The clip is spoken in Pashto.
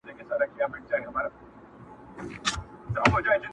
پاته په دې غرو کي د پېړیو حسابونه دي!!